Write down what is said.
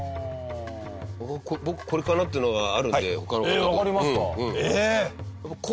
僕これかなっていうのがあるんで他の方。わかりますか？